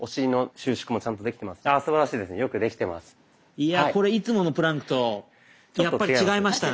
いやこれいつものプランクとやっぱり違いましたね。